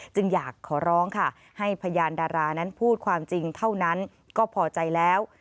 จึงอยากขอร้องค่ะให้พยานดารานั้นพูดความจริงเท่านั้นก็พอใจแล้ว